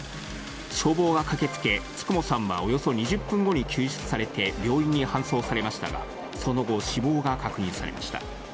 消防が駆けつけ、九十九さんはおよそ２０分後に救出されて病院に搬送されましたが、その後、死亡が確認されました。